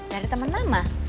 dari temen lama